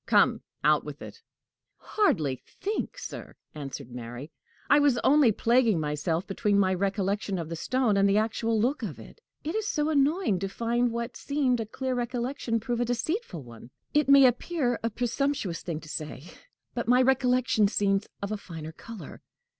Come, out with it!" "Hardly think, sir," answered Mary. "I was only plaguing myself between my recollection of the stone and the actual look of it. It is so annoying to find what seemed a clear recollection prove a deceitful one! It may appear a presumptuous thing to say, but my recollection seems of a finer color."